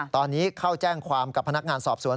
ตอนนี้เข้าแจ้งความกับพนักงานสอบสวน